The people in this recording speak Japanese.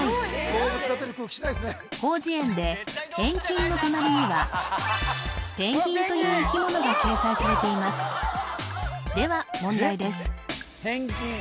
広辞苑で「返金」の隣には「ペンギン」という生き物が掲載されていますでは問題です